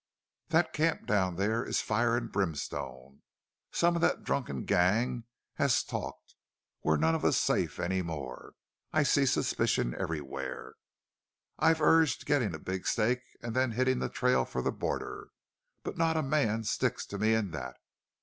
That camp down there is fire and brimstone. Some one of that drunken gang has talked. We're none of us safe any more. I see suspicion everywhere. I've urged getting a big stake and then hitting the trail for the border. But not a man sticks to me in that.